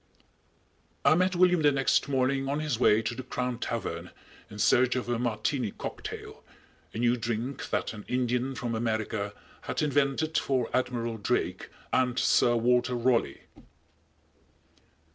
_ I met William the next morning on his way to the Crown Tavern in search of a "Martini Cocktail," a new drink that an Indian from America had invented for Admiral Drake and Sir Walter Raleigh.